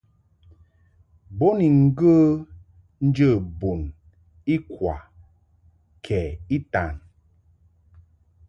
Bo ni ŋgə̌ njə̌ bun ikwa kɛ itan.